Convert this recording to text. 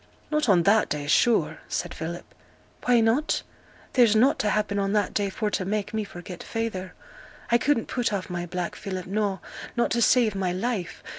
'Not on that day, sure!' said Philip. 'Why not? There's nought t' happen on that day for t' make me forget feyther. I couldn't put off my black, Philip, no, not to save my life!